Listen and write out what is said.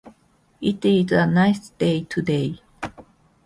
It is a nice day today.